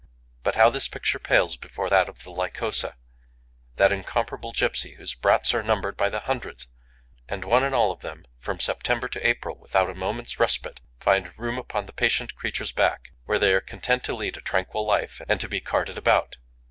But how this picture pales before that of the Lycosa, that incomparable gipsy whose brats are numbered by the hundred! And one and all of them, from September to April, without a moment's respite, find room upon the patient creature's back, where they are content to lead a tranquil life and to be carted about.